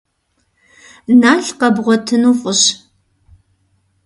Нал къэбгъуэтыну фӏыщ.